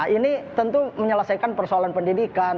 ini tentu menyelesaikan persoalan pendidikan